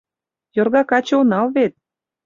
Йорга каче онал вет.